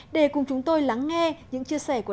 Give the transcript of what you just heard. để cùng chúng tôi lắng nghe những chia sẻ của đại sứ trần